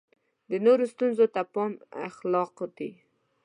د نورو ستونزو ته پام اخلاق دی.